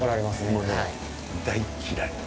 もうね、大っ嫌い。